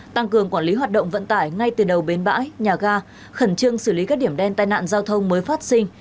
tăng cường quản lý hoạt động vận tải ngay từ đầu bến bãi nhà ga khẩn trương xử lý các điểm đen tai nạn giao thông mới phát sinh